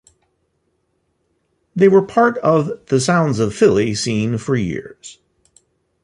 They were part of "The Sounds Of Philly" scene for years.